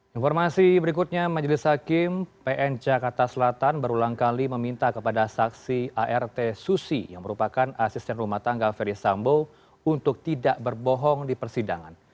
informasi berikutnya majelis hakim pn jakarta selatan berulang kali meminta kepada saksi art susi yang merupakan asisten rumah tangga ferdis sambo untuk tidak berbohong di persidangan